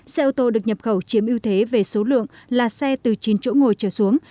xe ô tô được nhập khẩu chiếm ưu thế về số lượng là xe từ chín chỗ ngồi trở xuống